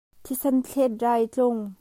Thisenthlet rai a tlung.